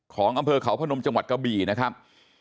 ของอำเภอเขาพนมจังหวัดกะบี่นะครับ